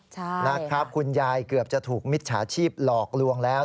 ใช่นะครับคุณยายเกือบจะถูกมิจฉาชีพหลอกลวงแล้ว